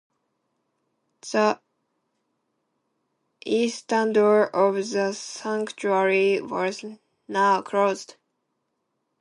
The eastern door of the sanctuary was now closed.